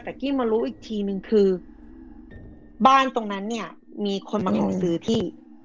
แต่กี้มารู้อีกทีนึงคือบ้านตรงนั้นเนี่ยมีคนมาขอซื้อที่